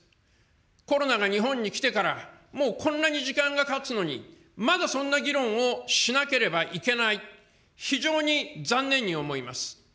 コロナが日本に来てからもう、こんなに時間がたつのに、まだそんな議論をしなければいけない、非常に残念に思います。